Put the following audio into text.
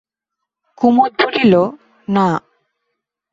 কুমুদ বলিল, না।